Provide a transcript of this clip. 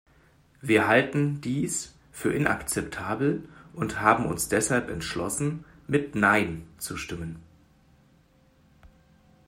Wir halten dies für inakzeptabel und haben uns deshalb entschlossen, mit "Nein" zu stimmen.